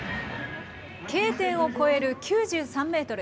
Ｋ点を越える９３メートル。